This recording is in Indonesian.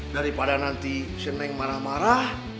daripada nanti si neng marah marah